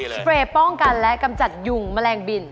เปรย์ป้องกันและกำจัดยุงแมลงบิน